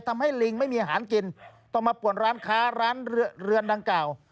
ลิงไม่มีอาหารกินต้องมาป่วนร้านค้าร้านเรือนดังกล่าว